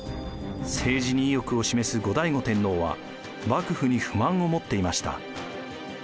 政治に意欲を示す後醍醐天皇は幕府に不満を持っていました。